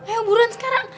ayo buruan sekarang